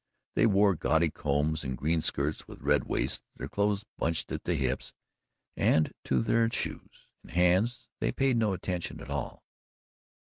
They wore gaudy combs and green skirts with red waists, their clothes bunched at the hips, and to their shoes and hands they paid no attention at all.